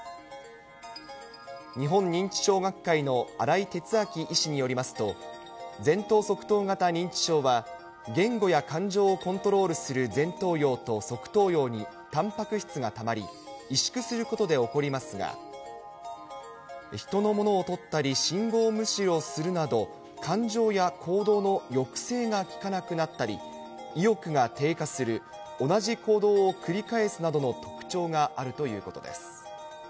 日本認知症学会の新井哲明医師によりますと、前頭側頭型認知症は、言語や感情をコントロールする前頭葉と側頭葉にたんぱく質がたまり、萎縮することで起こりますが、人のものをとったり、信号無視をするなど、感情や行動の抑制がきかなくなったり、意欲が低下する、同じ行動を繰り返すなどの特徴があるということです。